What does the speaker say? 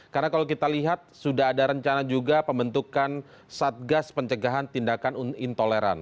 karena kalau kita lihat sudah ada rencana juga pembentukan satgas pencegahan tindakan intoleran